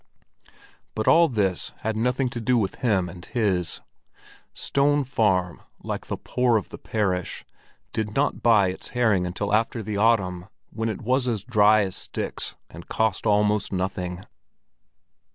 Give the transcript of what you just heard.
But all this had nothing to do with him and his. Stone Farm, like the poor of the parish, did not buy its herring until after the autumn, when it was as dry as sticks and cost almost nothing.